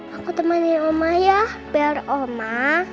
aku temanin ma ya biar ma